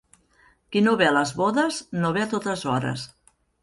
Qui no ve a les bodes, no ve a totes hores.